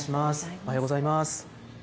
おはようございます。